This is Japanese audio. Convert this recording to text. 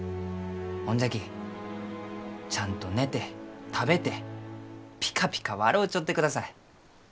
ほんじゃきちゃんと寝て食べてピカピカ笑うちょってください。